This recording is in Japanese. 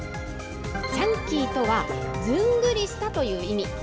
チャンキーとは、ずんぐりしたという意味。